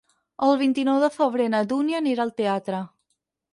El vint-i-nou de febrer na Dúnia anirà al teatre.